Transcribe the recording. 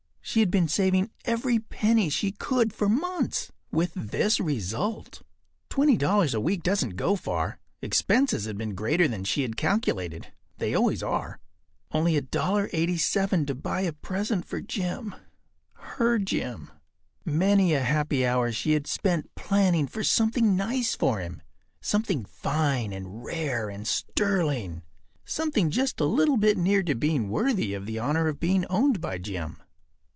She had been saving every penny she could for months, with this result. Twenty dollars a week doesn’t go far. Expenses had been greater than she had calculated. They always are. Only $1.87 to buy a present for Jim. Her Jim. Many a happy hour she had spent planning for something nice for him. Something fine and rare and sterling—something just a little bit near to being worthy of the honor of being owned by Jim.